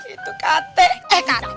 itu kate eh kate